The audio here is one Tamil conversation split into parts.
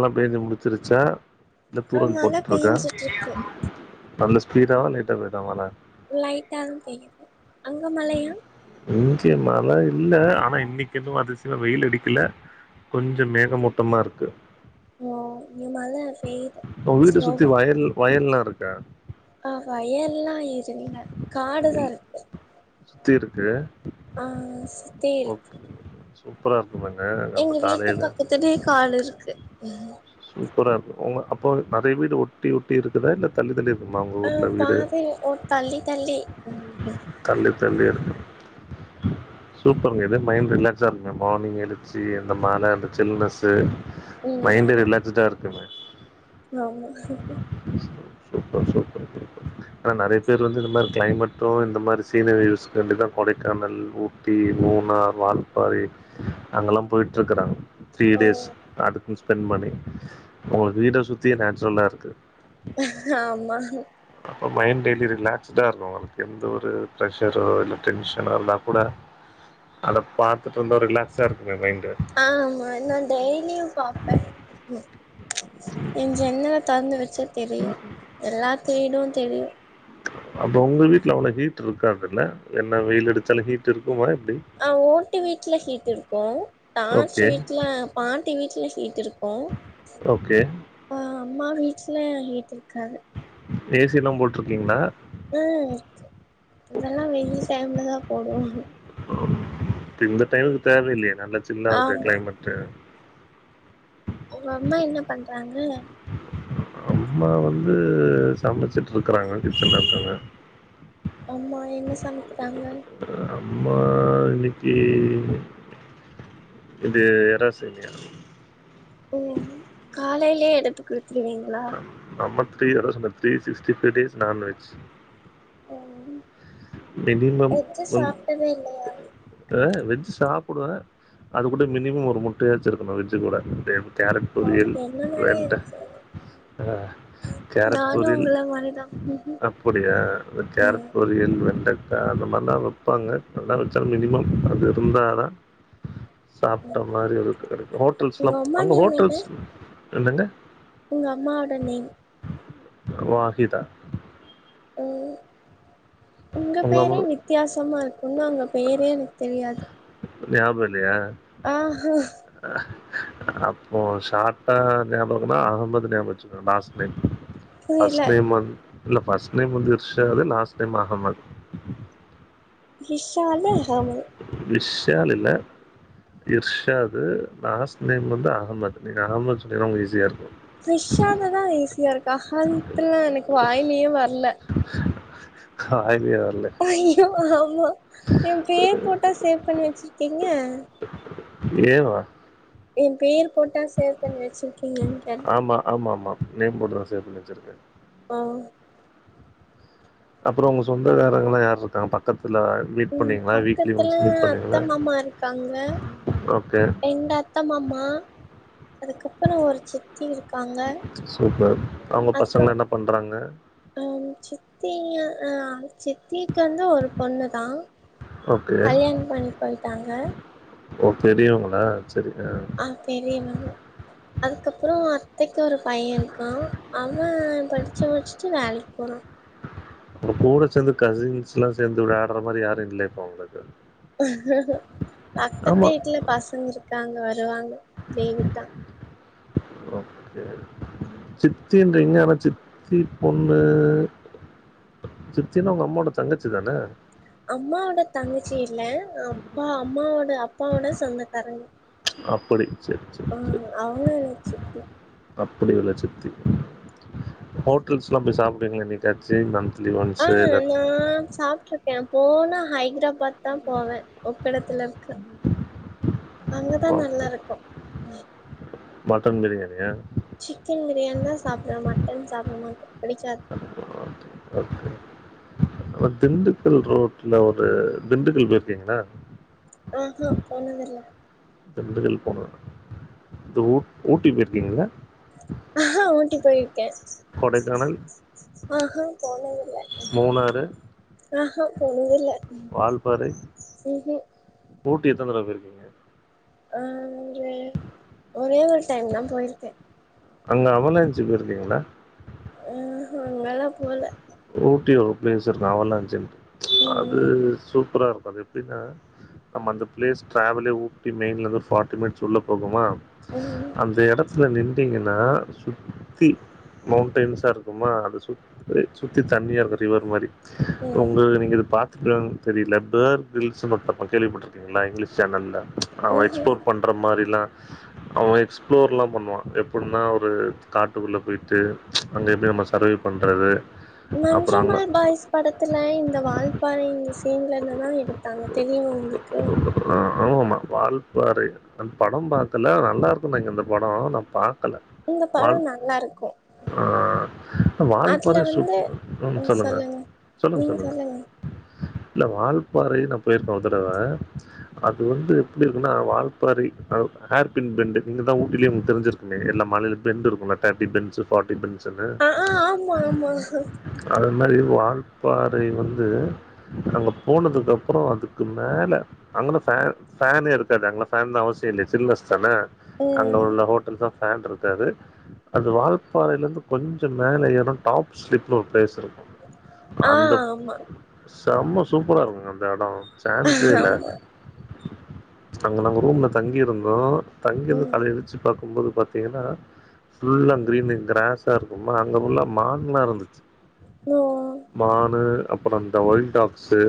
மழ பேஞ்சி முடிச்சுருச்சா இல்ல அ தூரல் மழ போட்டுட்டு இருக்கா பெஞ்சிட்ருக்கு நல்ல ஸ்பீடா இல்ல லைட்டா பெய்தா மழ லைட்டாதா பெய்து அங்க மழயா இங்க மழ இல்ல ஆனா இன்னைக் என்னவோ அதிசயமா வெயில் அடிக்கல கொஞ்சோ மேகமூட்டமா இருக்கு ஓ இ‌ங்க மழ பெய்து உங்க வீட்ட சுத்தி ஸ்லோவா வயல் வயல்லா இருக்கா ஆ வயல்லா இரு இல்ல காடுதா இருக்கு சுத்தி இருக்கு ஆ சுத்தி இருக்கு ஓகே சூப்பரா இருக்குல்லங்க எங்க வீட்டு பக்கத்துலயே காடு இருக்கு சூப்பரா இருக்கு அவங்க அப்போ நெறய வீடு ஒட்டி ஒட்டி இருக்கு இதா இல்ல தள்ளி தள்ளி இருக்குமா உங்க ஆ ஊர்ல வீடு பாதைல ஓ தள்ளி தள்ளி ம் தள்ளி தள்ளி இருக்கு சூப்பர்ங்க இதே மைண்ட் ரிலாக்ஸா இருங்க மார்னிங் எழுச்சு இந்த மல இந்த சில்னஸு மைண்டு ஆமா ரிலாக்ஸுடா இருக்குங்க ஆமா சூப்பர் சூப்பர் ஆனா நெறைய பேர் வந்து இந்த மாரி க்ளைமேட்டு இந்த மாரி சீனரி வ்யூஸ் வேண்டிதா கொடைக்கானல் ஊ ட்டி மூனார் வால்பாறை அங்கெல்லா போய்ட்டுருக்குறாங்க த்ரீ ஓ டேஸ் அதுக்குன் ஸ்பெண் பண்ணி உங்களுக்கு வீட சுத்தியே நேச்சுரலா இருக்கு ஆமா அப்ப மைண்ட் டெய்லி ரிலாக்ஸ்டா இருக்கு உங்களுக்கு எந்த ஒரு ப்ரெஷரோ இல்ல டென்ஷனா இருந்தா கூட அத பாத்துட்ருந்தா ரிலாக்ஸா இருக்குமே மைண்டு ஆமா நா டெய்லியும் பாப் ஏ ஜென்னல தொற்ந்து வெச்சா தெரியு எல்லாத்தேடு தெரியு அப்ப உங்க வீட்ல அவ்வள ஹீட் இருக்காதுல்ல என்ன வெயில் அடிச்சாலு ஹீட் இருக்குமா எப்டி ஆ ஓட்டு வீட்ல ஹீட் இருக்கு தாச்சி ஓகே வீட்ல பாட்டி வீட்ல ஹீட் இருக்கு ஓகே ஆ அம்மா வீட்ல ஹீட் இருக்காது ஏசியெல்லா போட்ருக்கீங்ளா ம் இருக்கு அதெல்லா வெயில் டைம்லதா போடுவோ இப்ப இந்த டைமுக்கு தேவ இல்லயே நல்லா சில்லாவுது ஆமா க்ளைமேட்டு உங்க அம்மா என்ன பண்றாங்க அம்மா வந்து சமச்சிட்டுருக்கறாங்க கிச்சன்லருக்காங்க அம்மா என்ன சமைக்கிறாங்க அம்மா இன்னிக்கி இது எறா சேமியா ஓ காலையிலே எடுத்து குடுத்துருவீங் நம்மா த்ரீ அதா சொன்னன் three sixty five days nonveg ம் மினிமம் எது ஒன் சாப்ட்டதே இல்லையா அ வெஜ்ஜு சாப்பிடுவே அது கூட மினிமம் ஒரு மூட்டையாச்சு இருக்கணு வெஜ்ஜு கூட டேபிள் கேரட் ஓ பொறியல் என்ன மாரியே வெண்ட இருக்கீங்க அ கேரட் நானு பொரியல் உங்கள மாரிதா அப்படியா கேரட் ம் பொரியல் வெண் டக்க அந்த மாரிலா வெப்பாங்க நல்லா வெச்சாலு மினிமம் அது இருந்தாதா சாப்ட்ட மாரி இருக்கு அதுக் ஹோட்டல்ஸ்க்ல்லா உங்க அம்மா அங்க நேம் என்ன ஹோட்டல்ஸ் என்னங்க உங்க அம்மாவோட நேம் வாஹிதா ம் உங்க பேரே வித்தியாசமா இருக் உன்னு உங்க பேரே எனக் தெரியாது ஞாப இல்லியா ஆஹா அப்போ ஷாட்டா ஞாபகமா அஹமது ஞாப வெச்சுகோங் லாஸ்ட் நேம் ஃபஸ் புரியல நேம் வந் இல்ல ஃபஸ்ட் நேம் இர்ஷாலு லாஸ்ட் நேம் அஹமத் இஷ்ஷாலு அஹமது விஷ்ஷாலில்ல இர்ஷாது லாஸ்ட் நேம் வந்து அஹமத் நீங்க அஹமது சொன்னீங்னா உங்ளுக் ஈஸியா இருக்கு க்ரிஷ்ஷாலுதா ஈஸியா இருக்கு அஹல்த்துலா எனக்கு வாய்ல்யே வர்ல வாய்லியே வர்ல ஐயோ ஆமா ஏ பேர் போட்டா சேவ் பண்ணி வெச்சிருக்கீங்க ஏவா எ பேர் போட்டா சேவ் பண்ணி வெச்சிருக்கீங்க கேட் ஆமா ஆமா ஆமா நேம் போட்டுதா சேவ் பண்ணி வெச்சிருக்கே ஓ அப்புறோ உங்க சொந்தகாரங்ல்லா யாரு இருக்காங்க பக்கத்துல மீட் ம் பண்ணீங்ளா வீக்லி பக்கத்துல ஒன்ஸ் மீட் அத்த பண்ணீங்ளா மாமா இருக்காங்க ஓகே ரெண்டு அத்த மாமா அதுக்கப்புறோ ஒரு சித்தி இருக் சூப்பர் அவுங்க பசங்கலா அதுக்கப் என்ன பண்றாங்க அ சித்தி ஆ சித்திக்கு வந்து ஒரு பொண்ணுதா ஓகே. கல்யாணோ பண்ணி போய்ட்டாங்க ஓ பெரியோங்களா செரிங்க ஆ பெரியவங்க அதுக்கப்புறோ அத்தைக்கு ஒரு பைய இருக்கா அவ படிச்சு முடிச்சுட்டு வேலைக் போறா உங்ககூட சேந்து கசின்ஸ்லா சேந்து விளையாட்ற மாரி யாரு இல்ல இப்ப உங்களுக்கு பக்கத்து ஆமா. வீட்ல பசங்க இருக்காங்க வருவாங்க லீவிட்டா ஓகே சித்தின்றீங்க ஆனா சித்தி பொண்ணு சித்தினா உங்க அம்மாவோட தங்கச்சிதான அம்மாவோட தங்கச்சி இல்ல அப்பா அம்மாவோட அப்பாவோட சொந்தக்காரங்க அப்புடி ம் அவுங்க எனக் சித்தி அப்டி உள்ள சித்தி ஹோட்டல்ஸ்லா போய் சாப்டுவீங்ளா இன்னிக் காசி மான்த்லி ஆ ஒன்ஸு நா சாப்ட்ருக்கே போனா ஹைதராபாத்தா போவே ஒக்கடத்துல இருக் கு அங்கதா ஓகே. நல்லாருக்கு ம் மட்டன் பிரியாணியா சிக்கன் பிரியாணிதா சாப்டுவே மட்டன் சாப்ட மாட்ட புடிக்காது ஓகே, ஓகே அ திண்டுக்கல் ரோட்ல ஒரு திண்டுக்கல் பேய்ருக்கீங்ளா ஆஹா போனதில்ல திண்டுக்கல் போனதில்ல ஊ ஊட்டி போய்ருக்கீங்கள ஆஹா ஊட்டி போய்ருக்கே கொடைக்கானல் ஆஹ போனதில்ல மூணாறு ஆஹ போனதில்ல வால்பாறை ம்ஹும் ஊட்டி எத்தன தடவ போய்ருக்கீங்க ஆ ஒரு ஒரே ஒரு டைம்தா போய்ருக்கே அங்கே அவலான்ச்சி போய்ருக்கீங்ளா ஆஹ அங்காலா போல ஊட்டி ஒரு பிளேஸ் இருக்கு அவலாஞ்சுன் ம் அது சூப்பரா இருக்கு அது அப்டினா நம்மந்த ப்ளேஸ் ட்ராவலே ஊட்டி மெயின்லருந்து ஃபாட்டி மினிட்ஸ் உள்ள போகுமா ம் அந்த எடத் துல நின்ட்டீங்கன்னா சுத்தி மவுண்டெய்ன்ஸா இருக்குமா அது சு சுத்தி தண்ணியா இருக்கு ரிவர் மாரி ம் உங்க நீங்க பாத் திங்ளா தெரிய [unintelligible] ஹில்ஸுன் ஒன்னிருக்கு கேள்விப்பட்டிருக்கீங்ளா இங்லீஷ் சேனல்ல அவ ம்ஹும் எக்ஸ்ப்லோர் பண் ற மாரிலா அவ எக்ஸ்ப்ளோர் லா பண்ணுவா எப்டின்னா ஒரு காட்டுக்குள்ள போயிட்டு அங்க எப்டி நம்ம சர்வே பண்றது அப்புறம் அங்க நஞ்சமாள் பாய்ஸ் படத்துல இந்த வாழ் [unintelligible] இந்த சீன்ல இருந்துதா எடுத்தாங்க தெரியுமா உங்களுக்கு ஆமா வாழ்ப்பாறை அந்த படம் பார்க்கல நல்லா இருக்கும் நெனைக்கிற அந்த பட நா பாக் இந்த பட நல்லா இருக்கும் ஆ வாழ்ப்பாறை வந்து சூப்பர் அ சொல்லுங்க சொல்லுங்க சொல்லுங்க இல்ல வால்பாறை நா போயிருக்க ஒரு தடவ அது வந்து எப்டி இருக்குன்னா வாழ்பாறை அ ஹேர் பின் பெண்டு நீங்க தா ஊட்டிலே உங்களுக்கு தெரிஞ்சிருக்கு எல்லா மலையில பென்டு இருக்கும்ல தேர்டி பென்டுஸ் பார்ட்டி பென்டுஸ்ன்னு ஆ ஆமா ஆமா அது மாதிரி வால்பாறை வந்து அங்க போனதுக்கு அப்பற அதுக்கு மேல அங்கன்னா ஃபேன் ஃபேன்னே இருக்காது அங்கங்கள ஃபேன் தா அவசிய இல்லயே சில்னஸ்தான அங்க ம் உள்ள ஹோட்டல்தா ஃபேன் இருக்காது அது வாழ்ப்பாறையில இருந்து கொஞ்ச மேல ஏறுனா டாப் ஸ்லிப்னு ஒரு பிளேஸ் இருக்கும் ஆ அந்த ஆமா செம சூப்பரா இருக்குங்க அந்த இட சான்ஸே இல்ல ஆமா அங்க நாங்க ரூம்ல தங்கி இருந்தோ தங்கிருந்து ம் காலையில எழுச்சு பார்க்கும்போது பாத் திங்கன்னா ஃபுல்லா கிரீன்னு கிராஸா இருக்கு சும்மா அங்க ஃபுல்லா மான்ல்லா இருந்துச்சு லோ மானு அப்பற அந்த ஒயில்ட் டாக்ஸு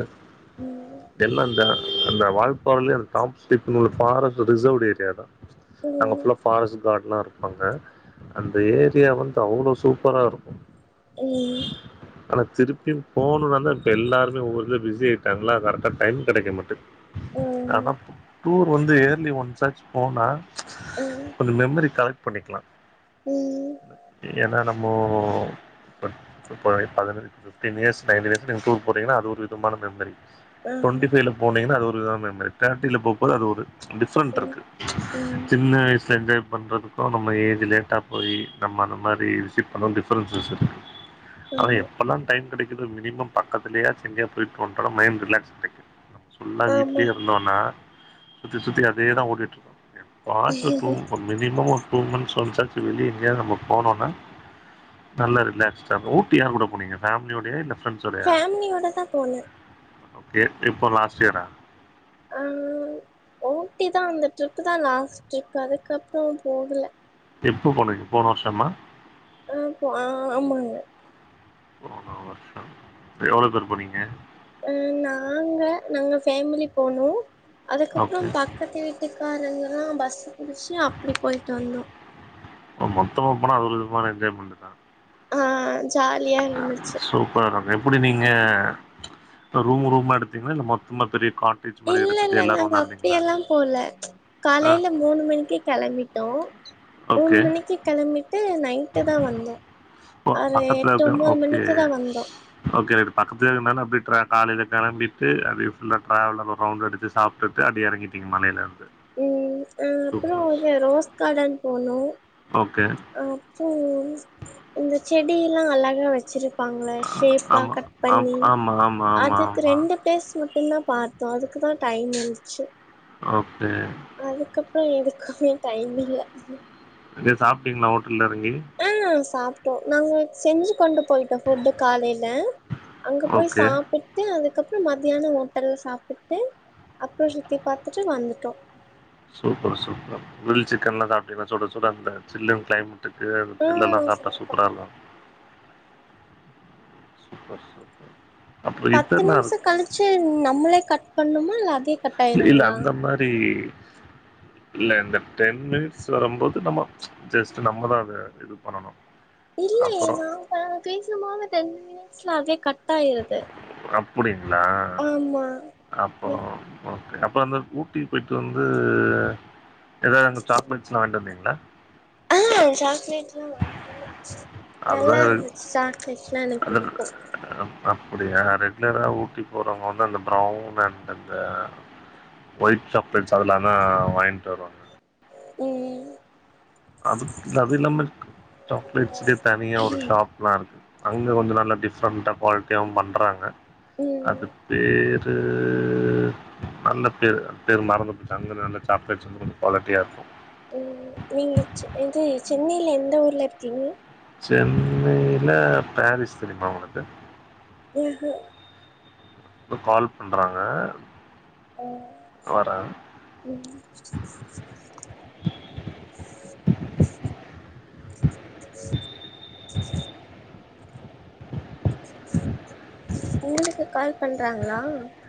ம் ம் எல்லா இந்த அந்த வால்பாறையிலே அந்த டாப் ஸ்லிப்ன்னு ஒரு ஃபாரஸ்ட் ரிசர்வ்ட் ஏரியா தா அங்க ம் ஃபுல்லா ஃபாரஸ்ட் கார்டுலா இருக் ப்பாங்க அந்த ஏரியா வந்து அவ்வளவு சூப்பரா இருக்கும் ம்ம் ஆனா திருப்பியு போணுனா தா இப்ப எல்லோருமே ஒவ்வரு இதுல பிஸி ஆயிடாங்களா கரக்டா டைம் கிடைக்க மாட்டுது ஆனா டூர் வந்து இயர்லி ஒன்ஸாச்சி போனா கொஞ்ச மெமரி கலெக்ட் பண்ணிக்கலா ம்ம் ஏன்னா நம்மோ [unintelligible] ஃபிஃப்டின் இயர்ஸ் நைன்டின் இயர்ஸ் நீங்க டூர் போறீங்கன்னா அது ஒரு விதமான மெமரி ஆ டுவெண்டி ஃபைவ்ல போன்னிங்கண்ணா அது ஒரு விதமான மெமரிஸ் தேர்ட்டில போம்போது அது ஒரு டிஃப்ரண்ட் ம் இருக்கு ம் சின்ன வயசுல என்ஜாய் பண்றது அப்பற நம்ம ஏஜ் லேட்டா போய் நம்ம அந்த மாதிரி விசிட் பண்றதும் டிஃப்ரன்சஸ் இருக்குது அதா ஆமா எப்பல்லா டைம் கிடைக்குதோ மினிமம் பக்கத்துலயாச்சு எங்கயாச்சு போயட்டு வந்துடோம்னா மைடு ரிலாக்ஸ் கிடைக்கும் ஃபுல்லா ஆமா வீட்லயே இருந்தோன்னா சுத்தி சுத்தி அதேதா ஓடிட்டு இருக்கு எப்பாச்சு ஒரு டூர் போன்னு மினிமம் ஒரு டூ மன்ந்த்ஸ் ஒன்ஸாச்சி வெளிய எங்கயாது நம்ம போனோம்னா நல்ல ரிலாக்ஸ்டா போ ஊட்டி யார் கூட போனீங்க ஃபேமிலியோடையா இல்ல ஃப்ரெண்ட்ஸ்யோடையா ஃபேமிலியோட தா போனே ஓகே எப்போ லாஸ்ட் இயரா அ ஊட்டி தா அந்த ட்ரிப்பு தா லாஸ்ட் ட்ரிப் அதுக்கப்பற போகுல எப்போ போன்னிங்க போன வருஷமா அ ஆ ஆமாங்க போன வருஷம் எவ்ளோ பேர் போனிங்க ம் நாங்க நாங்க ஃபேமிலி போனோ அதுக்கப்பற ஓகே பக்கத்து வீட் வீட்டுக்காரங்கல்லா பஸ்சு புடிச்சு அப்டி போய்டிட்டு வந்தோ மொத்தமா போனா அது விதமான என்ஜாய்மென்ட்டுதா ஆ ஜாலியா இருந்துச்சு ஹாஹா எப்புடி நீங்க அ ரூமு ரூமா எடுத்தீங்கன்னா இல்ல மொத்தமா பெரிய கான் இல்லல்லல்ல அப்டியெல்லா போல ஆ காலேல மூணு மணிக்கு கெளம்பி ட்டோ மூணு ஓகே மணிக்கி கெளம்பிட்டு நை ட்டு தா வந்தோ ஓ, ஒரு பக்கத்துல எட்டு இருக்க ஒம்போது மணிக்கி தா வந்தோ பக்கத்துலே இருந்தாலு அப்டியே ட்ரா காலைலே கெளம்பிட்டு அப்டியே ஃபுல்லா ட்ராவல் அப்ப ரவுண்ட் அடிச்சி சாப் ட்டுட்டு அப்டி எறங்கிட்டீங்க மலையிலருந்து ம் ம் அப்றோ அது ரோஸ் காடன் போனோ ஓக்கே அப்றோ இந்த செடி எல்லா அழகா வச்சிருக் ப்பாங்கல சேப்பா ஆமா கட் ஆம் பண்ணி ஆமா ஆமா ஆமா அதுக்கு ஆமா ரெண்டு பேஸ் மட்டுந்தா பாத்தோ அதுக்கு தா டைம் இருந்துச்சு ஓக்கே அதுக்கப்றோ எதுக்குமே டைம் இல்ல ஏ சாப்ட்டீங்களா ஒட்டல்ல எறங்கி அ சாப்ட்டோ நாங்க செஞ்சு கொண்டு போயிட்டோ ஃபுட்டு காலேல அங்க போய் ஓகே சாப்புட் டு அதுக்கப்றோ மத்தியானோ ஓட்டல் சாப்புட்டு அப்போ சுத்தி பாத்துட்டு வந்துட்டோ சூப்பர் சூப்பர் கிரில் சிக்கன்ல்லா சாப்டிங்களா சுட சுட அந்த சில்லுன் கிளைம் மேட்டுக்கு அந்த க்ரில் எல்லா ம் சாப்ட்டா சாப்ட்டோ சூப்பராருக்கூ சூப்பர் சூப்பர் அப்புறம் பத்து இதெல்லாம் நிம்ஷோ இருக்கு கழிச்சு நம்மளே கட் பண்ணுமா இல்ல அதே கட் இல் ஆயிருங்களா அந்த மாரி இல்ல இந்த டென் மினிஸ் வரம்போது நம்மோ ஜஸ்ட் நம்மளா அது அது இது பண்ணணு இல்லியே நாங்க பேசும்போது டெண் மினிட்ஸ்ல அப்டியே கட் ஆயிருது அப்டிங்களா ஆமா நீ அப்பளோ ஓக்கே அப்பறோ அந்த ஊட்டிக் போய்ட்டு வந்து எதாது அங்க சாக்லேட்ஸ்லா வாங்கட்டு வந்தீங்களா ஆ சாக்லேட் லா வாங்கிட்டு வந்த நல்லா அதுதான் எனக்கு- இருந்துச்சு சாக்லேட் எல்லா எனக்கு புடிக்கூ அ அப் அப்டியா ரெகுலரா ஊட்டி போறவங்க வந்து அந்த ப்ரவுன் அண்டந்த ஒயிட் சாக்லெட்ஸ் அதுலானா வாங்கிட் வருவாங்க ம் அதுக் அது இல்லாம சாக்லேட்ஸ்க்கே தனியா ஒரு ஷாப் லா இருக்கு அவங்க கொஞ்சோ நல்ல டிஃப்ரெண்ட்டா குவாலிட்டியாவு பண்ணுறாங்க அது ம் பேர் து நல்ல பே பேரு மறந்து போச்சு அங்க நல்ல சாக்லேட்ஸ் வந்து ரொம்ப குவாலிட்டியா இருக்கூ ம் நீங்கச்சு இந்து சென்னையில எந்த ஊர்ல இருக்கீங்க சென்னைல பாரிஸ் தெரியுமா உனக்கு ம்ஹு ஒரு கால் பண்றாங்க வர ம் [inaudible] உங்களுக்கு கால் பண்றாங்களா